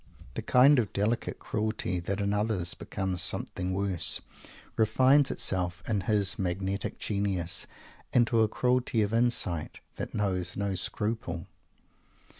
The kind of delicate cruelty, that in others becomes something worse, refines itself in his magnetic genius into a cruelty of insight that knows no scruple.